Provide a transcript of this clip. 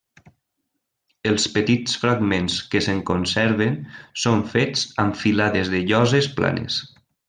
Els petits fragments que se'n conserven són fets amb filades de lloses planes.